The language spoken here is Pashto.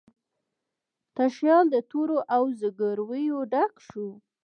تشیال د تورو او زګیرویو ډک شو